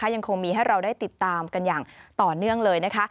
ยังคงมีให้เราได้ติดตามกันอย่างต่อเนื่องเลยนะคะ